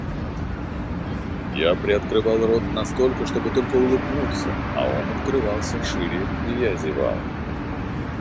Я приоткрывал рот настолько, чтобы только улыбнуться, а он открывался шире и я зевал.